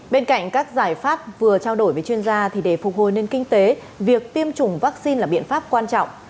bên cạnh các giải pháp vừa trao đổi với chuyên gia thì để phục hồi nền kinh tế việc tiêm chủng vaccine là biện pháp quan trọng